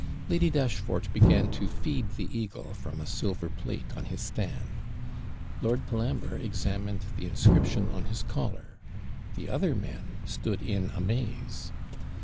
Lady Dashfort began to feed the eagle from a silver plate on his stand; Lord Colambre examined the inscription on his collar; the other men stood in amaze.